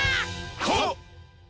はっ！